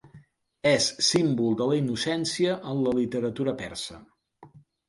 És símbol de la innocència en la literatura persa.